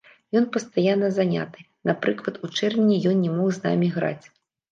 Ён пастаянна заняты, напрыклад, у чэрвені ён не мог з намі граць.